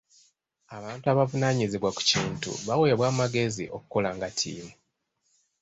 Abantu abavunaanyizibwa ku kintu baweebwa amagezi okukola nga ttiimu.